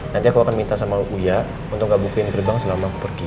nanti aku akan minta sama uya untuk gak bukuin gerbang selama aku pergi